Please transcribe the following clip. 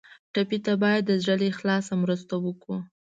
ټپي ته باید د زړه له اخلاص مرسته وکړو.